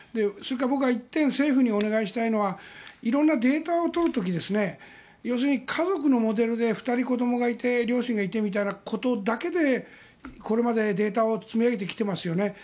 それから僕は１点政府にお願いしたいのは色々なデータを取る時要するに、家族のモデルで２人子どもがいて両親がいてみたいなことだけでこれまでデータを積み上げてきていますよね。